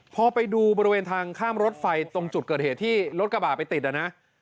พอไปดูบริเวณทางข้ามรถไฟตรงจุดเกิดเหตุที่รถกระบาดไปติดอ่ะนะ